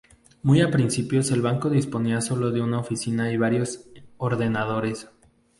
Muy al principio el banco disponía sólo de una oficina y varios ordenadores.